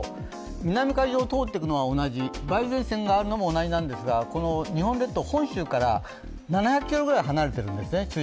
南海上を通っていくのは同じ梅雨前線があるのも同じですがこの日本列島本州から７００ｋｍぐらい、中心が離れているんですね。